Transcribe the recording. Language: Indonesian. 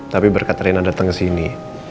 tapi berkat rena datang ke sini